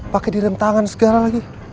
pakai direm tangan segala lagi